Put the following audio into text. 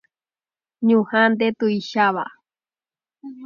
Ñuhã ndetuicháva.